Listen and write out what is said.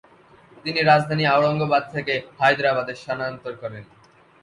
তিনি রাজধানী আওরঙ্গবাদ থেকে হায়দ্রাবাদে স্থানান্তর করেন।